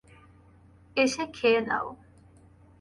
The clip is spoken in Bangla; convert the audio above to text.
এসে খেয়ে নাও।